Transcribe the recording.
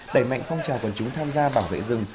đẩy mạnh phong trào tổ chứng tham gia bảo vệ rừng